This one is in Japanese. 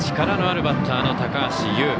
力のあるバッターの高橋友。